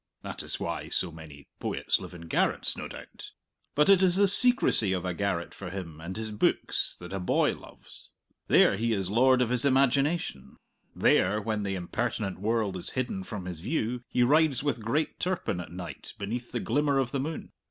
(That is why so many poets live in garrets, no doubt.) But it is the secrecy of a garret for him and his books that a boy loves; there he is lord of his imagination; there, when the impertinent world is hidden from his view, he rides with great Turpin at night beneath the glimmer of the moon.